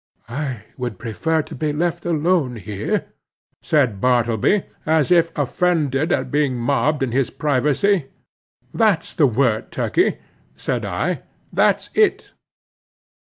"I would prefer to be left alone here," said Bartleby, as if offended at being mobbed in his privacy. "That's the word, Turkey," said I—"that's it."